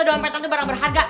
udah sampe tante barang berharga